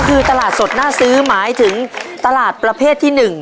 คือตลาดสดหน้าซื้อหมายถึงตลาดประเภทที่๑